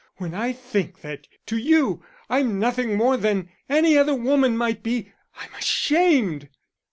When I think that to you I'm nothing more than any other woman might be, I'm ashamed."